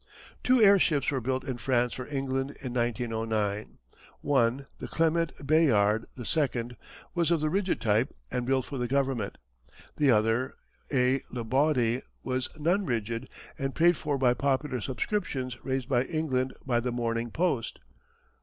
Two airships were built in France for England in 1909. One, the Clement Bayard II., was of the rigid type and built for the government; the other, a Lebaudy, was non rigid and paid for by popular subscriptions raised in England by the Morning Post.